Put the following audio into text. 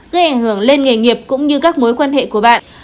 gây ảnh hưởng lên nghề nghiệp cũng như các mối quan hệ của bạn